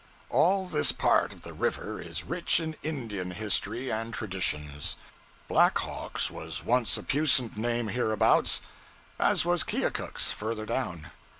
All this part of the river is rich in Indian history and traditions. Black Hawk's was once a puissant name hereabouts; as was Keokuk's, further down.